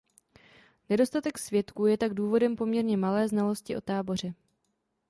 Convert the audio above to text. Nedostatek svědků je tak důvodem poměrně malé znalosti o táboře.